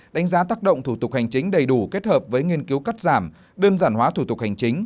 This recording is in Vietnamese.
đánh giá tác động thủ tục hành chính đầy đủ kết hợp với nghiên cứu cắt giảm đơn giản hóa thủ tục hành chính